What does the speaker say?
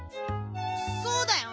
そうだよな。